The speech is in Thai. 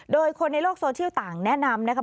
โดยคนในโลกโซเชียลต่างแนะนำนะคะ